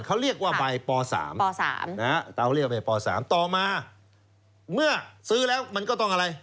เขาเรียกว่าใบป๓ต่อมาเมื่อซื้อแล้วมันก็ต้องอะไร